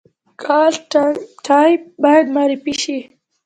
کالтура باید معرفي شي